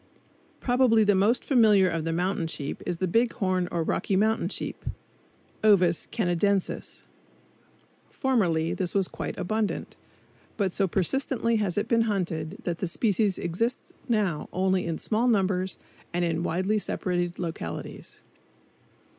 Probably the most familiar of the mountain sheep is the big horn or Rocky Mountain sheep (Ovis canadensis). Formerly this was quite abundant, but so persistently has it been hunted that the species exists now only in small numbers and in widely separated localities.